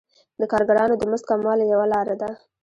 د کارګرانو د مزد کموالی یوه لاره ده